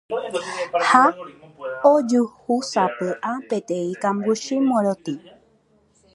ha ojuhúsapy'a peteĩ kambuchi morotĩ